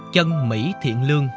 chân mỹ thiện lương